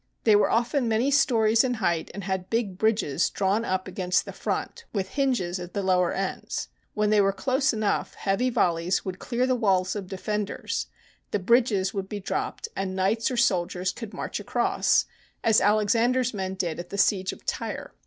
They were often many stories in height, and had big bridges drawn up against the front with hinges at the lower ends. When these were close enough, heavy volleys would clear the walls of defenders, the bridges would be dropped, and knights or soldiers could march across — as Alexander's men did at the siege of Tyre.